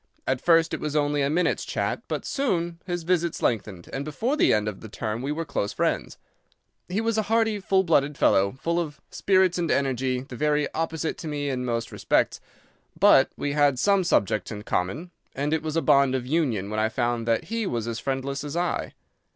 At first it was only a minute's chat, but soon his visits lengthened, and before the end of the term we were close friends. He was a hearty, full blooded fellow, full of spirits and energy, the very opposite to me in most respects, but we had some subjects in common, and it was a bond of union when I found that he was as friendless as I.